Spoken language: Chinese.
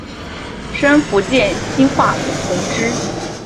升福建兴化府同知。